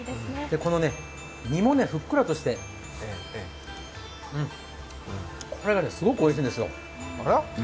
この身もふっくらとして、すごくおいしいんですよ。